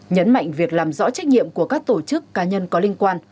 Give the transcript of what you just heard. nhấn mạnh việc làm rõ trách nhiệm của các tổ chức cá nhân có liên quan